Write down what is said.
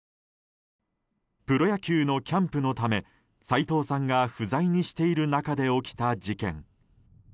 プロ野球のキャンプのため斉藤さんが不在にしている中で起きた事件。